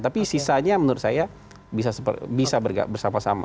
tapi sisanya menurut saya bisa bersama sama